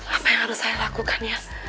apa yang harus saya lakukan ya